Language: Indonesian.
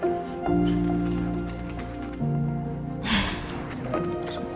ini kincir aminnya bumi bunuh